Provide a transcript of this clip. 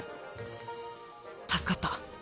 助かった。